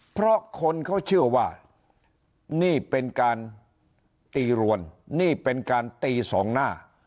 เพราะคนเขาเชื่อว่านี่เป็นการตีรวนนี่เป็นการตีสองหน้า